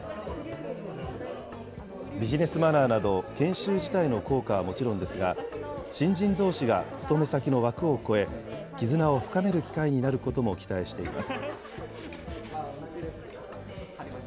ビジネスマナーなど、研修自体の効果はもちろんですが、新人どうしが勤め先の枠を越え、絆を深める機会になることも期待しています。